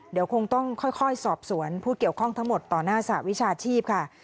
เดี๋ยวคงต้องค่อยสอบสวนผู้เกี่ยวข้องทั้งหมดต่อหน้าสหวิชาชีพค่ะ